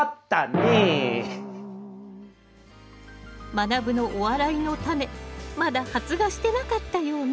まなぶのお笑いのタネまだ発芽してなかったようね。